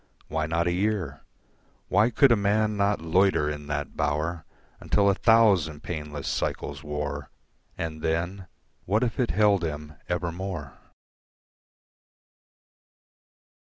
Why not a year, Why could a man not loiter in that bower Until a thousand painless cycles wore, And then what if it held him evermore?